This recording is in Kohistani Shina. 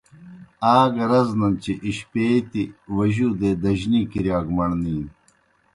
آ گہ رزنَن چہ اِشپیتیْ وجودے دجنی کِرِیا کہ مڑنے نیْ۔